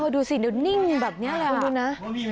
ดูสินิ่งแบบนี้คุณดูนะ